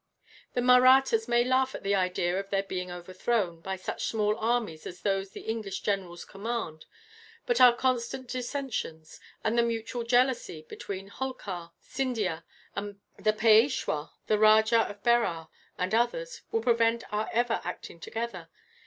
The Mahrattas may laugh at the idea of their being overthrown, by such small armies as those the English generals command; but our constant dissensions, and the mutual jealousy between Holkar, Scindia, the Peishwa, the Rajah of Berar, and others, will prevent our ever acting together.